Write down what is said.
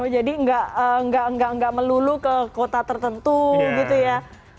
jadi tidak melulu ke kota tertentu gitu ya